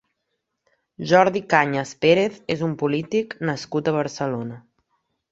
Jordi Cañas Pérez és un polític nascut a Barcelona.